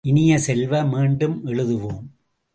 இனிய செல்வ, மீண்டும் எழுதுவோம்!